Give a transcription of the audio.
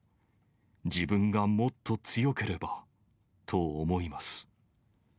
自分がもっと強ければと思います。